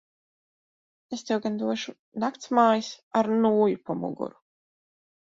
Es tev gan došu naktsmājas ar nūju pa muguru.